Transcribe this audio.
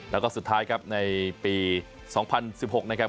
แล้วก็สุดท้ายครับในปี๒๐๑๖นะครับ